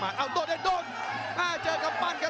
ประโยชน์ทอตอร์จานแสนชัยกับยานิลลาลีนี่ครับ